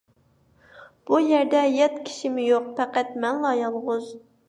بۇ يەردە يات كىشىمۇ يوق، پەقەت مەنلا يالغۇز.